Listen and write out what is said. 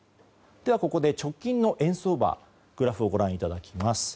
ではここで直近の円相場のグラフをご覧いただきます。